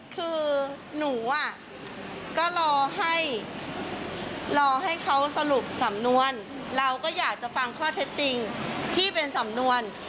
คือหนูอ่ะก็รอให้รอให้เขาสรุปสำนวนเราก็อยากจะฟังข้อเท็จจริงที่เป็นสำนวน